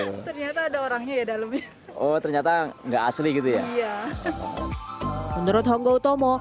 ternyata ada orangnya ya dalamnya oh ternyata enggak asli gitu ya iya menurut honggo utomo